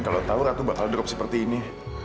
kalau tahu ratu bakal drop seperti ini